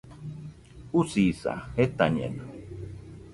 Usisa, jetañeno